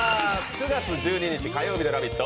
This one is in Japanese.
９月１２日火曜日の「ラヴィット！」